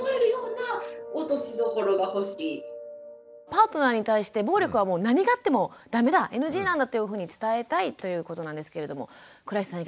パートナーに対して暴力はもう何があってもダメだＮＧなんだっていうふうに伝えたいということなんですけれども倉石さん